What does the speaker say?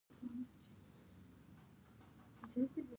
د ګلستان غرونه لوړ دي